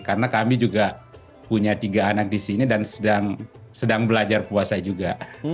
karena kami juga punya tiga anak di sini dan sedang belajar puasa juga